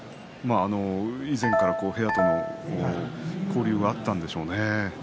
以前から部屋との交流はあったんでしょうね。